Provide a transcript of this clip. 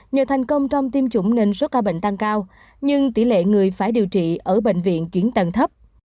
nhờ thành công trong tiêm chủng nên số ca bệnh tăng cao nhưng tỷ lệ người phải điều trị ở bệnh viện chuyển tầng thấp